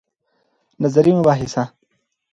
نظري مباحث